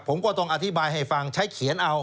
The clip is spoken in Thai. ผมก็ต้องอธิบายให้ฟังใช้เขียนเอา